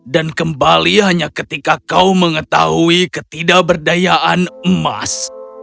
dan kembali hanya ketika kau mengetahui ketidakberdayaan emas